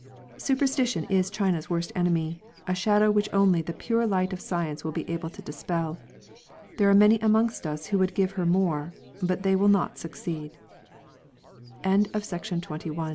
Superstition is China's worst enemy — a shadow which only the pure light of science will be able to dispel. There are many amongst us who would give her more : but thev will not succeed. NATURAL PHENOMENA. It is